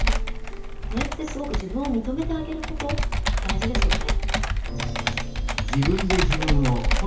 これってすごく自分をみとめてあげること大事ですよね。